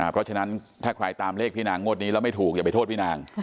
เพราะฉะนั้นถ้าใครตามเลขพี่นางงวดนี้แล้วไม่ถูกอย่าไปโทษพี่นาง